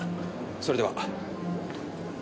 それでは。